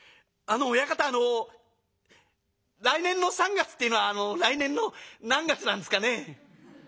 あの来年の三月っていうのは来年の何月なんですかね？」。